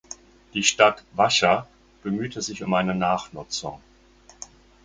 Die Stadt Vacha bemühte sich um eine Nachnutzung.